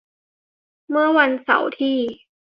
เมื่อวันเสาร์ที่